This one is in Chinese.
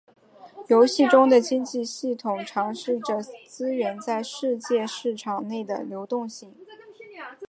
游戏中的经济系统尝试着资源在世界市场内的流动性。